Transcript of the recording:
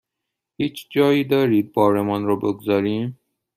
هیچ جایی دارید بارمان را بگذاریم؟